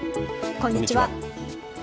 こんにちは。